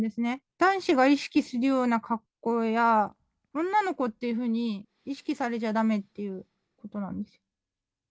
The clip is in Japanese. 男子が意識するような格好や、女の子っていうふうに意識されちゃだめっていうことなんですよ。